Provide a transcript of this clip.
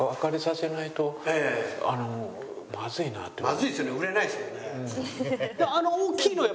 まずいですよね売れないですよね。